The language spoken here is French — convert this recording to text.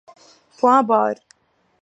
Point barre.